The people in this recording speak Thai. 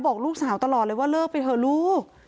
บอกลูกสาวตลอดเลยว่าเลิกไปเถอะลูก